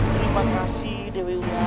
terima kasih dewi ular